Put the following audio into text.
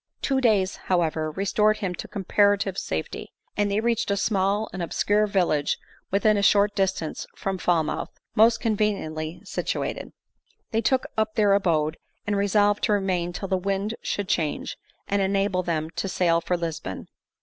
Two days however, restored him to comparative safe ty, and they reached a small and obscure village within a short distance from Falmouth, most conveniently sit ^^ 78 ADELINE MOWBRAY. uated. There they took up their abode, and resolved to remain till the wind should change, and enable them to sail for Lisbon.